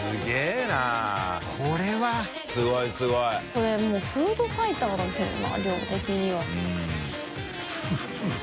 これもうフードファイターだけどな量的には。沢村）